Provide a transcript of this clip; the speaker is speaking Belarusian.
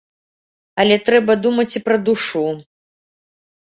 Але трэба думаць і пра душу.